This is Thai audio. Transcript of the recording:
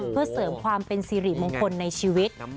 เพื่อเสริมความเป็นสิริมงคลในชีวิต